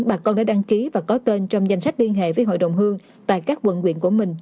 bà con đã đăng ký và có tên trong danh sách liên hệ với hội đồng hương tại các quận quyện của mình